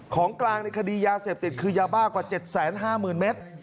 ของกลางในคดียาเสพติดคือยาบ้ากว่า๗๕๐๐๐เมตร